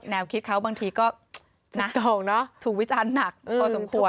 แนวคิดเขาบางทีก็ถูกวิจารณ์หนักพอสมควร